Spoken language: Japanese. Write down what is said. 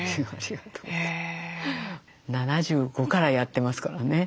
７５からやってますからね。